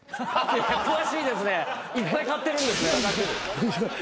詳しいですねいっぱい買ってるんですね。